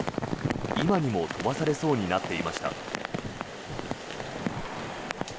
今にも飛ばされそうになっていました。